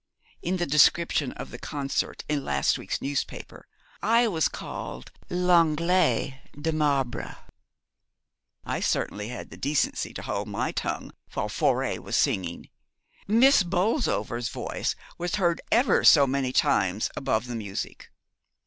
In the description of the concert in last week's newspaper I was called l'Anglais de marbre. I certainly had the decency to hold my tongue while Faure was singing. Miss Bolsover's voice was heard ever so many times above the music.